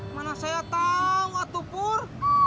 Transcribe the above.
mana saya tau atuh pur